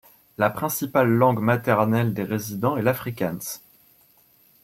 La principale langue maternelle des résidents est l'afrikaans.